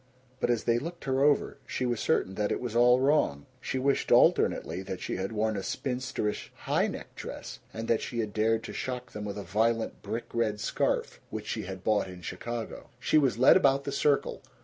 But as they looked her over she was certain that it was all wrong. She wished alternately that she had worn a spinsterish high necked dress, and that she had dared to shock them with a violent brick red scarf which she had bought in Chicago. She was led about the circle.